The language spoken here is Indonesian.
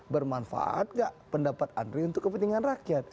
bermanfaat tidak pendapat anda untuk kepentingan rakyat